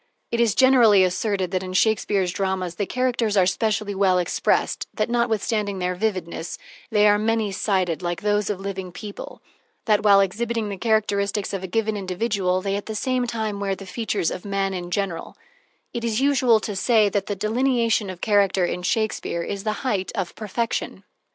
It is generally asserted that in Shakespeare's dramas the characters are specially well expressed, that, notwithstanding their vividness, they are many sided, like those of living people; that, while exhibiting the characteristics of a given individual, they at the same time wear the features of man in general; it is usual to say that the delineation of character in Shakespeare is the height of perfection.